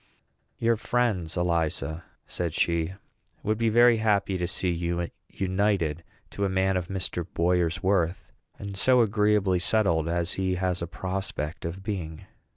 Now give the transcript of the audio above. "Your friends, Eliza," said she, "would be very happy to see you united to a man of Mr. Boyer's worth, and so agreeably settled as he has a prospect of being."